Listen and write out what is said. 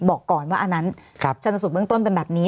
บอกก่อนว่าอันนั้นชนสูตรเบื้องต้นเป็นแบบนี้